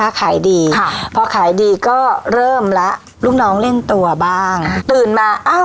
ขายดีค่ะพอขายดีก็เริ่มแล้วลูกน้องเล่นตัวบ้างตื่นมาอ้าว